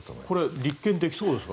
立件できそうですか。